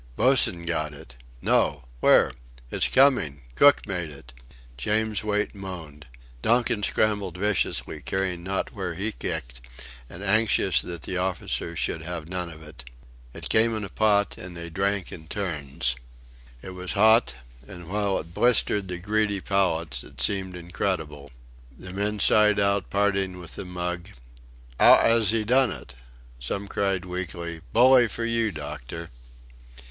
Boss'en got it...." "No!... Where?".... "It's coming! Cook made it." James Wait moaned. Donkin scrambled viciously, caring not where he kicked, and anxious that the officers should have none of it. It came in a pot, and they drank in turns. It was hot, and while it blistered the greedy palates, it seemed incredible. The men sighed out parting with the mug: "How 'as he done it?" Some cried weakly: "Bully for you, doctor!"